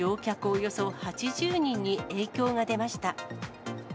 およそ８０人に影響が出ました。